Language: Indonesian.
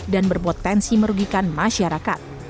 dan berpotensi merugikan masyarakat